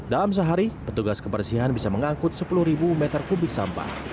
dalam sehari petugas kebersihan bisa mengangkut sepuluh meter kubik sampah